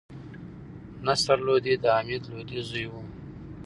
نصر لودي د حمید لودي زوی وو.